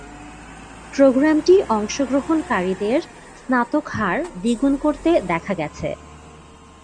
প্রোগ্রামটি অংশগ্রহণকারীদের স্নাতক হার দ্বিগুণ করতে দেখা গেছে।